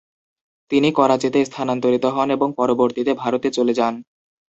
তিনি করাচিতে স্থানান্তরিত হন এবং পরবর্তীতে ভারতে চলে যান।